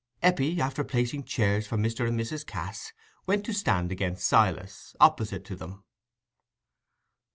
Eppie, after placing chairs for Mr. and Mrs. Cass, went to stand against Silas, opposite to them.